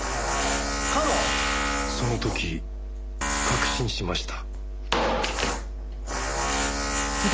その時確信しました。